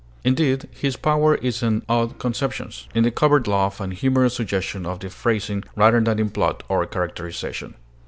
Indeed, his power is in odd conceptions, in the covert laugh and humorous suggestion of the phrasing, rather than in plot or characterization.